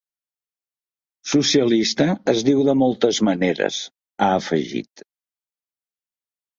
Socialista es diu de moltes maneres, ha afegit.